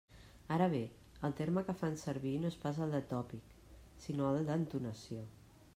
Ara bé: el terme que fan sevir no és pas el de tòpic, sinó el d'«entonació».